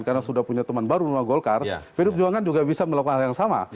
karena sudah punya teman baru rumah golkar pdi perjuangan juga bisa melakukan hal yang sama